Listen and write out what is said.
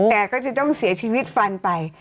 แต่ก็จะต้องเสียชีวิตฟันไป